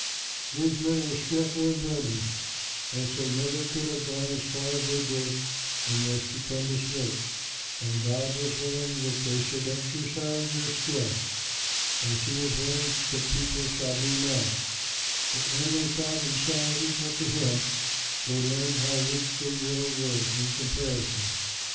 [Illustration: THE TOWER OF BABEL.] These men were skillful in building, else they never could have gone as far as they did in their stupendous work, and God was willing that they should exercise their skill, as He is willing that people shall do now; but when they thought themselves equal to Him, they learned how weak they really were in comparison.